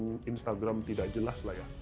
instagram tidak jelas lah ya